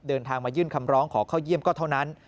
เดินทางมายื่นคำร้องขอเข้าเยี่ยมก็เท่านั้น